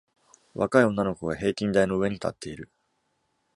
若い女の子が平均台の上に立っている。